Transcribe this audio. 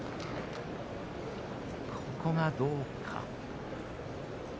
ここはどうか。